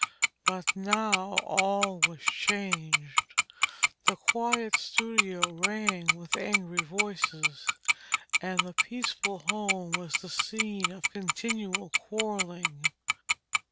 But now all was changed. The quiet studio rang with angry voices, and the peaceful home was the scene of continual quarrelling.